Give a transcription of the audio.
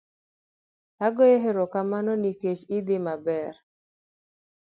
agoyo aromakano nikech idhi maber